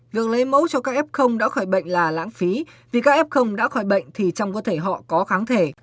việc lấy mẫu cho các f đã khỏi bệnh là lãng phí vì các f đã khỏi bệnh thì trong cơ thể họ có kháng thể